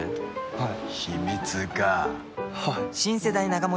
・はい！